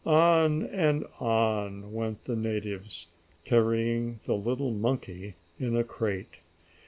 On and on went the natives, carrying the little monkey in a crate.